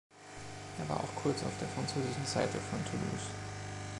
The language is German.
Er war auch kurz auf der französischen Seite von Toulouse.